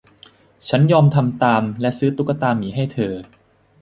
ฉันยอมทำตามและซื้อตุ๊กตาหมีให้เธอ